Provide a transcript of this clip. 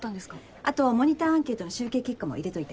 あとモニターアンケートの集計結果も入れといて。